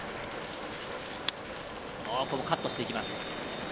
カットしていきます。